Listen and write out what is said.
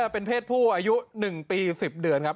เป็นเพศผู้อายุ๑ปี๑๐เดือนครับ